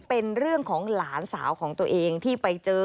เป็นเรื่องของหลานสาวของตัวเองที่ไปเจอ